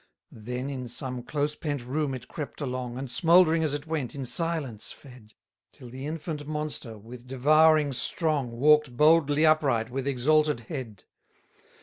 218 Then in some close pent room it crept along, And, smouldering as it went, in silence fed; Till the infant monster, with devouring strong, Walk'd boldly upright with exalted head.